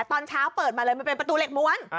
ตอนเช้าเปิดมาเลยมันเป็นประตูเหล็กม้วน